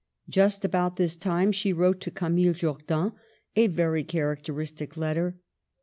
Just about this time she wrote to Camille Jordan a very charac teristic letter.